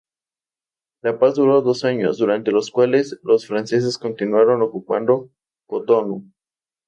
La paz duró dos años, durante los cuales los franceses continuaron ocupando Cotonú.